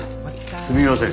すみません